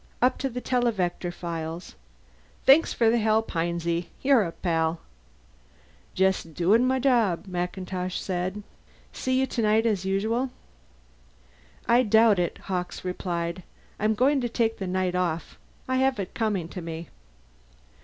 Up to the televector files. Thanks for the help, Hinesy. You're a pal." "Just doin' my job," MacIntosh said. "See you tonight as usual?" "I doubt it," Hawkes replied. "I'm going to take the night off. I have it coming to me."